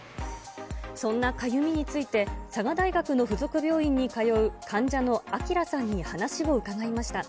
そんなかゆみについて佐賀大学の附属病院に通う、患者のあきらさんに話を伺いました。